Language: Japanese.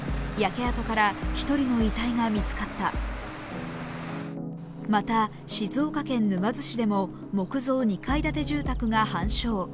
焼け跡から１人の遺体が見つかったまた、静岡県沼津市でも木造２階建て住宅が半焼。